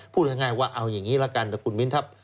พูดง่ายว่าเอาอย่างนี้ละกันแต่คุณมิ้นครับ